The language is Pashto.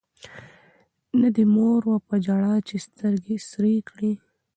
نه دي مور وه په ژړا چي سترګي سرې کړي